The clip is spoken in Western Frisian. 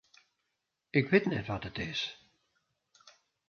Ik wit net wat it is.